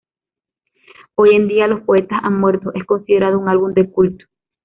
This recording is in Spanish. Hoy en día, Los poetas han muerto es considerado un álbum de culto.